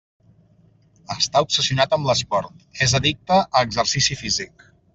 Està obsessionat amb l'esport: és addicte a exercici físic.